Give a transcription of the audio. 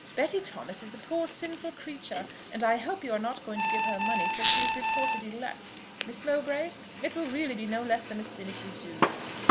Betty Thomas is a poor sinful creature, and I hope you are not going to give her money till she is reported elect, Miss Mowbray? It will really be no less than a sin if you do."